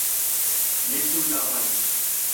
Nefsi müdafaaydı.